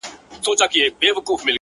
د ښایستونو خدایه سر ټيټول تاته نه وه ـ